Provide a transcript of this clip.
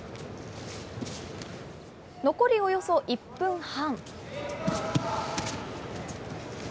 残りおよそ１分半。